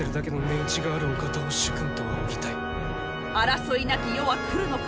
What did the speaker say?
争いなき世は来るのか？